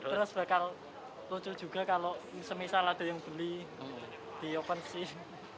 terus bakal lucu juga kalau semisal ada yang beli di open scene